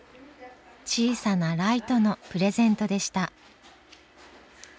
小さなライトのプレゼントでした。